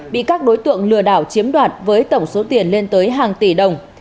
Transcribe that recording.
bị các đối tượng lừa đảo chiếm đoạt với tổng số tiền lên tới hàng tỷ đồng